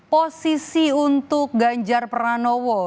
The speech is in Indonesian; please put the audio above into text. posisi untuk ganjar pranowo